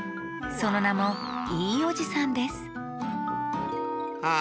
そのなも「いいおじさん」ですあ